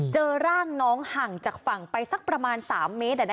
เจอร่างน้องห่างจากฝั่งไปสักประมาณ๓เมตร